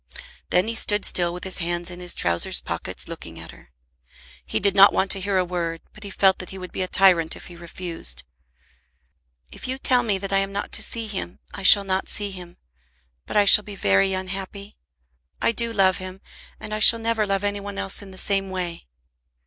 Then he stood still with his hands in his trowsers pockets looking at her. He did not want to hear a word, but he felt that he would be a tyrant if he refused. "If you tell me that I am not to see him, I shall not see him. But I shall be very unhappy. I do love him, and I shall never love any one else in the same way."